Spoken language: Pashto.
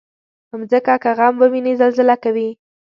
مځکه که غم وویني، زلزله کوي.